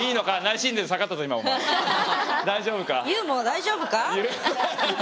大丈夫か？